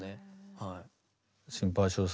はい。